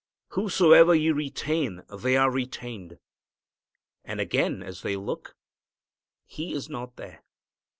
Whosesoever ye retain they are retained." And again, as they look, He is not there.